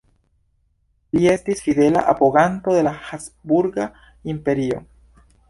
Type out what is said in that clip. Li estis fidela apoganto de habsburga Imperio.